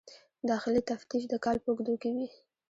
داخلي تفتیش د کال په اوږدو کې وي.